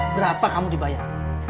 berapa kamu dibayar